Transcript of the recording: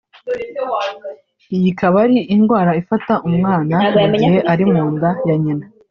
iyi ikaba ari indwara ifata umwana mu gihe ari mu nda ya nyina